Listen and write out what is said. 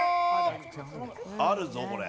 あるぞこれ。